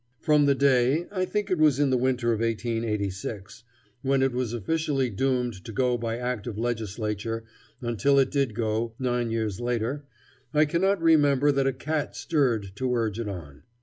From the day I think it was in the winter of 1886 when it was officially doomed to go by act of legislature until it did go, nine years later, I cannot remember that a cat stirred to urge it on.